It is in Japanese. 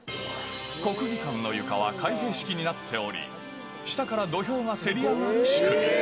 国技館の床は開閉式になっており、下から土俵がせり上がる仕組み。